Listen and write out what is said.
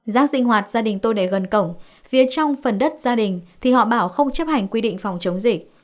rác sinh hoạt gia đình tôi để gần cổng phía trong phần đất gia đình thì họ bảo không chấp hành quy định phòng chống dịch